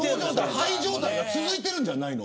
ハイ状態が続いてるんじゃないの。